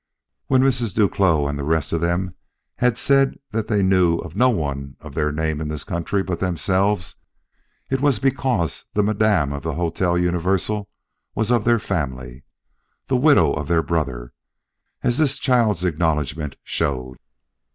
When Mrs. Duclos and the rest of them had said that they knew of no one of their name in this country but themselves, it was because the Madame of the Hotel Universal was of their family the widow of their brother, as this child's acknowledgment showed.